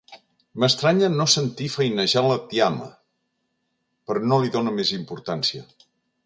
M'estranya no sentir feinejar la tiama, però no li dono més importància.